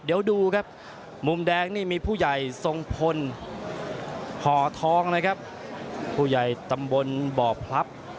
เดี๋ยวดูครับมุมแดงนี่มีผู้ใหญ่ทรงพลห่อทองนะครับผู้ใหญ่ตำบลบ่อพลับ